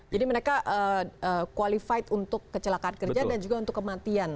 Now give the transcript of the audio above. jadi mereka qualified untuk kecelakaan kerja dan juga untuk kematian